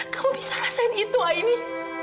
kamu bisa rasain itu ainy